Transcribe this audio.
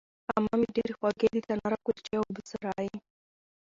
عمه مې ډېرې خوږې د تناره کلچې او بوسراغې